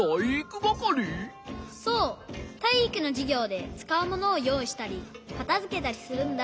そうたいいくのじゅぎょうでつかうものをよういしたりかたづけたりするんだ。